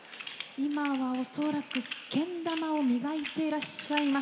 今は恐らくけん玉を磨いていらっしゃいます。